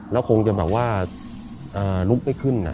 แล้วคงจะแบบว่าลุกไม่ขึ้น